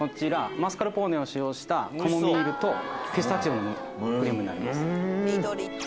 マスカルポーネを使用したカモミールとピスタチオのクリームになります。